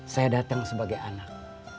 saya datang sebagai anak